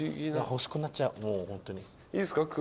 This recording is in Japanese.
欲しくなっちゃうもうホントに。